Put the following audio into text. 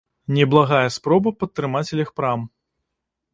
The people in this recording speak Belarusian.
Неблагая спроба падтрымаць легпрам.